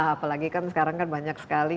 apalagi kan sekarang kan banyak sekali